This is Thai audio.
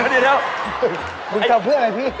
ไอ้ไอ้